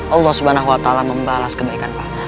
allah swt membalas kebaikan pak